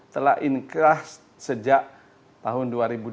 telah inkas sejak tahun dua ribu delapan